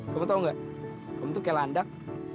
kamu tau nggak kamu tuh kayak landak